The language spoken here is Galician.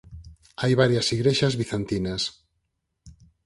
Hai varias igrexas bizantinas.